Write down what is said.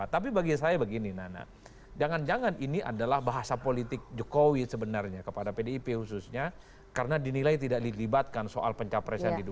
tapi bagi saya begini nana jangan jangan ini adalah bahasa politik jokowi sebenarnya kepada pdip khususnya karena dinilai tidak dilibatkan soal pencapresan di dua ribu dua puluh